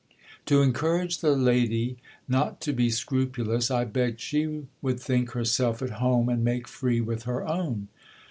To encourage the lady not to be scrupulous, I begged she would think herself at home, and make free with her own.